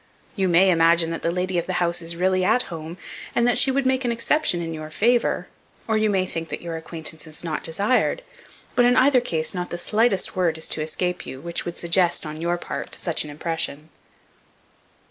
You may imagine that the lady of the house is really at home, and that she would make an exception in your favour, or you may think that your acquaintance is not desired; but, in either case, not the slightest word is to escape you, which would suggest, on your part, such an impression.